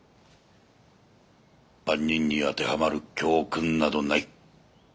万人に当てはまる教訓などない。